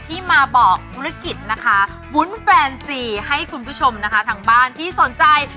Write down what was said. ที่มาบอกธุรกิจนะคะวุ้นแฟนซีให้คุณผู้ชมนะคะทางบ้านที่สนใจ